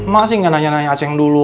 ma sih gak nanya nanya aceh dulu